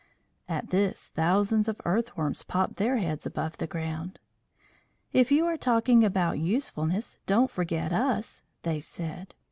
At this thousands of earth worms popped their heads above the ground. "If you are talking about usefulness, don't forget us," they said.